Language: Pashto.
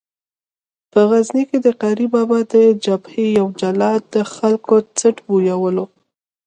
په غزني کې د قاري بابا د جبهې یو جلاد د خلکو څټ بویولو.